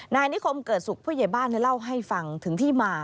นายนิคมเกิดสุขผู้ใหญ่บ้านเล่าให้ฟังถึงที่มา